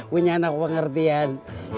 punya anak pengertian